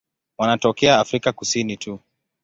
Wanatokea Afrika Kusini tu.